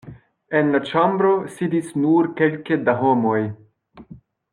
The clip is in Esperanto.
En la ĉambro sidis nur kelke da homoj.